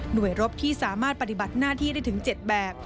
โดยรบที่สามารถปฏิบัติหน้าที่ได้ถึง๗แบบ